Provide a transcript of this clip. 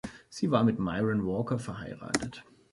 Sie war mit Myron Walker verheiratet.